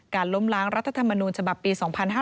ล้มล้างรัฐธรรมนูญฉบับปี๒๕๕๙